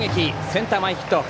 センター前ヒット。